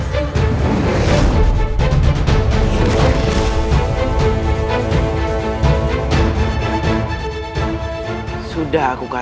jangan lagi membuat onar di sini